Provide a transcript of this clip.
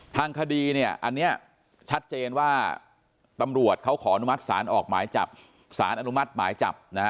ทางคดีเนี่ยตำรวจเขาขออนุมัติสารออกหมายจับ